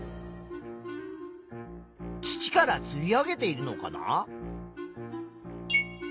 土からすい上げているのかな？